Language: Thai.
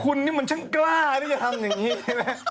คุณนี้เหมือนฉันกล้าด้วยจะทำอย่างงี้ใช่ไหม๒๐๒๑